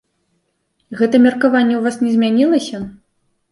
Гэта меркаванне ў вас не змянілася?